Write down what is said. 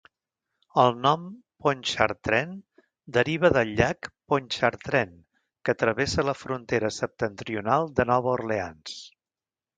El nom Pontchartrain deriva del llac Pontchartrain, que travessa la frontera septentrional de Nova Orleans.